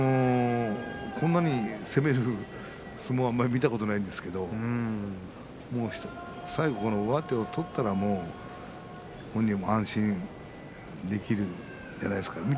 こんなに攻める相撲はあまり見たことないんですけれども最後、上手を取ったら本人も安心できるんじゃないですか。